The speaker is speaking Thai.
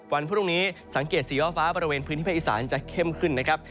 วันพรุ่งนี้สังเกตสีย่อฟ้าบริเวณพื้นที่ภาคอีสานจะเข้มขึ้นนะครับ